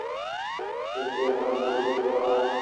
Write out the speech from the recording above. কিন্তু এ মত গ্রহণযোগ্য নয়।